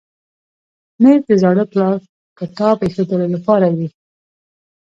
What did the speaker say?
مېز د زاړه پلار کتاب ایښودلو لپاره وي.